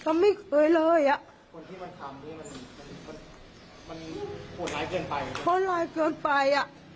มันมีแม่ด้วยมันมีแม่ด้วย